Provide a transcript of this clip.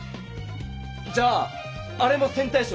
じゃああれも線対称ですか？